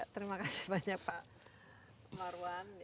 terima kasih banyak pak marwan